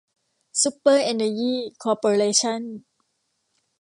ซุปเปอร์ เอนเนอร์ยี คอร์เปอเรชั่น